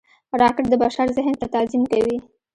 راکټ د بشر ذهن ته تعظیم کوي